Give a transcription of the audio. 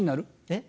えっ？